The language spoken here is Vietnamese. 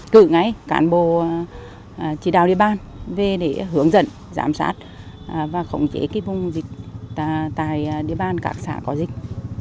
cử ngay cán bộ chỉ đào địa bàn về để hướng dẫn giám sát và khổng chế vùng dịch tại địa bàn các xã có dịch